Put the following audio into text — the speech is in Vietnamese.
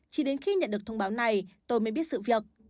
chỉ đến khi nhận được thông báo này tôi mới biết sự việc